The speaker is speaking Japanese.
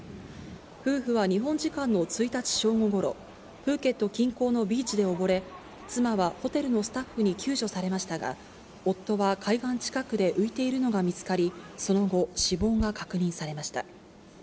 夫婦は日本時間の１日正午ごろ、プーケット近郊のビーチで溺れ、妻はホテルのスタッフに救助されましたが、夫は海岸近くで浮いているのが見つかり、その後、死亡が確認されました。